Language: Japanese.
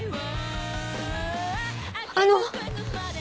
あの！